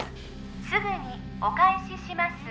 すぐにお返しします